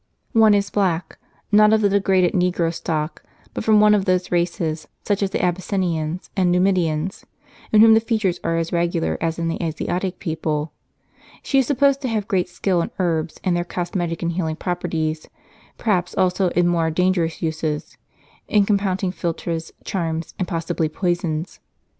One is a black ; not of the degraded negro stock, but from one of those races, such as the Abyssinians and Numidians, in whom the features are as regular as in the Asiatic people. She is supposed to have great skill in herbs, and their cosmetic and healing properties, perhaps also in more dangerous uses — in compounding philtres, charms, and possibly poisons.